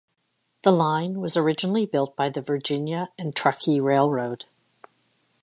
The line was originally built by the Virginia and Truckee Railroad.